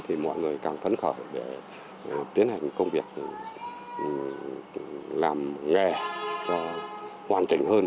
thì mọi người càng phấn khởi để tiến hành công việc làm nghề cho hoàn chỉnh hơn